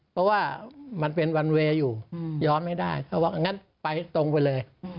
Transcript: เพราะว่ามันเป็นวันเวย์อยู่ย้อนไม่ได้เขาบอกงั้นไปตรงไปเลย